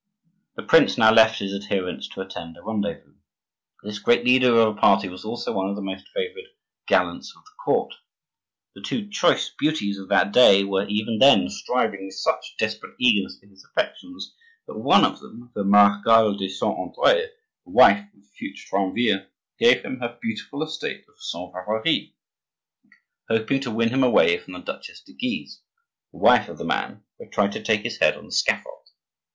The prince now left his adherents to attend a rendezvous. This great leader of a party was also one of the most favored gallants of the court. The two choice beauties of that day were even then striving with such desperate eagerness for his affections that one of them, the Marechale de Saint Andre, the wife of the future triumvir, gave him her beautiful estate of Saint Valery, hoping to win him away from the Duchesse de Guise, the wife of the man who had tried to take his head on the scaffold.